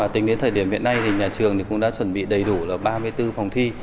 tính đến thời điểm hiện nay nhà trường cũng đã chuẩn bị đầy đủ ba mươi bốn phòng thi